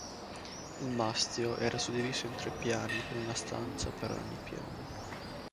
Il mastio era suddiviso in tre piani con una stanza per ogni piano.